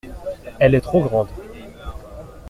Elle est trop grande.